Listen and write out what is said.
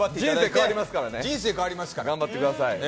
人生変わりますから。